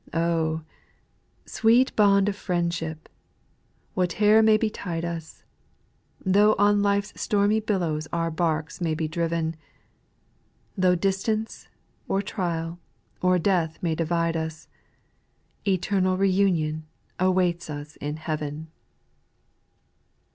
6. Oh 1 sweet bond of friendship, whatever may betide us, Though on life's stormy billows our barks may be driven. Though distance, or trial, or death may di vide us, Eternal re union awaiis us in heaven.